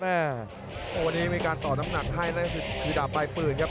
วันนี้มีการต่อน้ำหนักให้ในด่าปลายปืนครับ